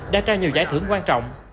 đã trao nhiều giải thưởng quan trọng